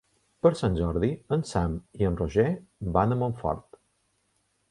Per Sant Jordi en Sam i en Roger van a Montfort.